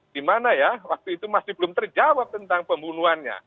di mana ya waktu itu masih belum terjawab tentang pembunuhannya